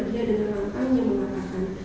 dia dengan langkahnya mengatakan